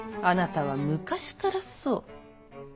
あなたは昔からそう。